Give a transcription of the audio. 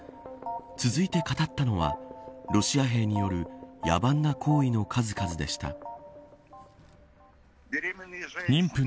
続いて語ったのはロシア兵による野蛮な行為の数々でした。